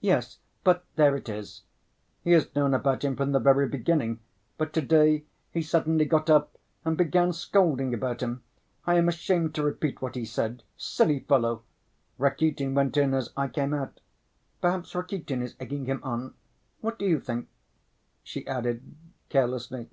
"Yes, but there it is. He has known about him from the very beginning, but to‐day he suddenly got up and began scolding about him. I am ashamed to repeat what he said. Silly fellow! Rakitin went in as I came out. Perhaps Rakitin is egging him on. What do you think?" she added carelessly.